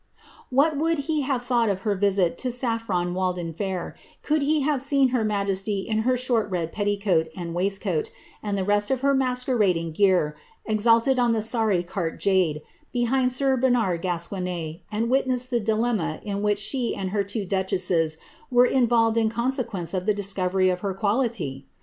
"' What would he have thought of her visit to Saffron ^Valden fair, could he have seen her majesty in her short red petticoat ind waistcoat, and the rest of her masquerading gear, exalted on the tarry cart jade, behind sir Bernard Gascoigne, and witnessed the dilemma o which she and her two duchesses were involved in consequence of Jie discovery of her quality